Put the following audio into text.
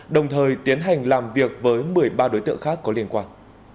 đồng thời tiến hành làm việc với một mươi ba đối tượng khác có liên quan